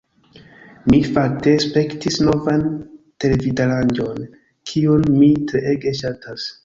Mi, fakte, spektis novan televidaranĝon kiun mi treege ŝatas